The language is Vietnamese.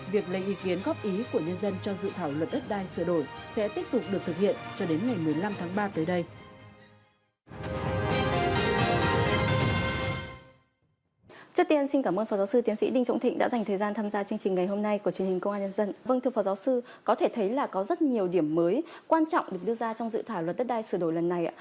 việc lấy ý kiến góp ý của nhân dân cho dự thảo luật đất đai sửa đổi sẽ tiếp tục được thực hiện cho đến ngày một mươi năm tháng ba tới đây